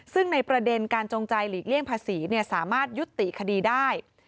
ซึ่งในประเด็นการจงใจหลีกเลี่ยงภาษีสามารถยุติคดีได้